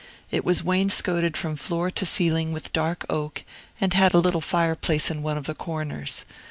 It was wainscoted from floor to ceiling with dark oak, and had a little fireplace in one of the corners.